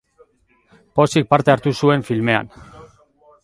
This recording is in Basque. Pozik parte hartu zuen filmean.